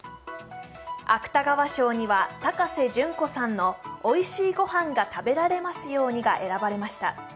芥川賞には高瀬隼子さんの「おいしいごはんが食べられますように」が選ばれました。